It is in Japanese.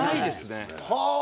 はあ！